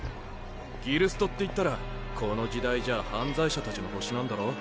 ギルストっていったらこの時代じゃ犯罪者たちの星なんだろ？